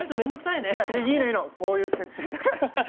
いやいいのいいのこういう設定だから。